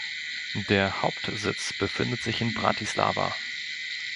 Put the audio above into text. Der Hauptsitz befindet sich in Bratislava.